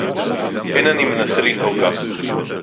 אֵין אֲנִי מְנַסָּה לִנְהוֹג כָּךְ.